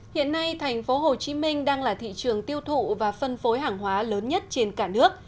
hiện nay thành phố hồ chí minh đang là thị trường tiêu thụ và phân phối hàng hóa lớn nhất trên cả nước